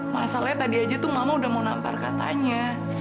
masalahnya tadi saja itu mama sudah mau nampar katanya